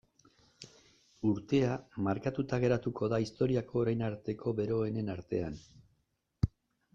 Urtea markatuta geratuko da historiako orain arteko beroenen artean.